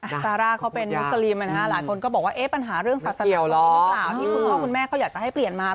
ซาร่าเขาเป็นมุสลิมหลายคนก็บอกว่าปัญหาเรื่องศาสนาเหล่านี้หรือเปล่าที่คุณพ่อคุณแม่เขาอยากจะให้เปลี่ยนมา